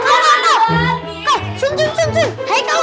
kau kau kau